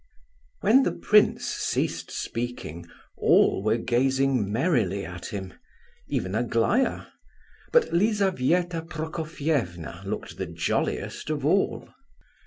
When the prince ceased speaking all were gazing merrily at him—even Aglaya; but Lizabetha Prokofievna looked the jolliest of all.